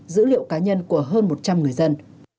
dữ liệu cá nhân của hơn một trăm linh người dân